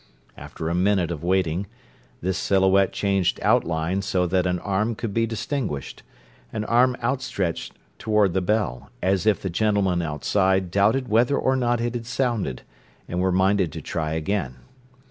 After a minute of waiting, this silhouette changed outline so that an arm could be distinguished—an arm outstretched toward the bell, as if the gentleman outside doubted whether or not it had sounded, and were minded to try again.